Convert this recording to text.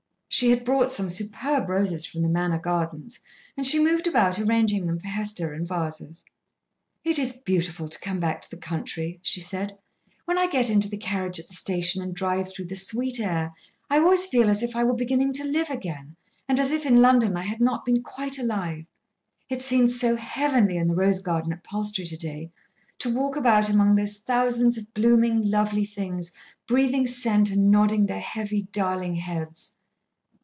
She had brought some superb roses from the Manor gardens, and she moved about arranging them for Hester in vases. "It is beautiful to come back to the country," she said. "When I get into the carriage at the station and drive through the sweet air, I always feel as if I were beginning to live again, and as if in London I had not been quite alive. It seemed so heavenly in the rose garden at Palstrey to day, to walk about among those thousands of blooming lovely things breathing scent and nodding their heavy, darling heads."